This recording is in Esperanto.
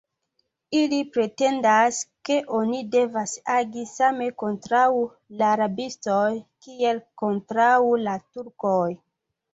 Ili pretendas, ke oni devas agi same kontraŭ la rabistoj, kiel kontraŭ la Turkoj.